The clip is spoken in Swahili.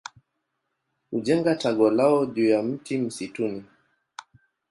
Hujenga tago lao juu ya mti msituni.